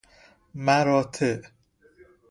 مراتع